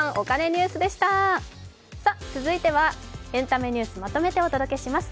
続いてはエンタメニュースまとめてお届けします。